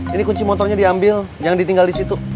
ini kunci motornya diambil yang ditinggal di situ